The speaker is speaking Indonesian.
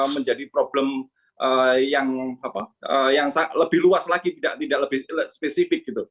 menjadi problem yang lebih luas lagi tidak lebih spesifik gitu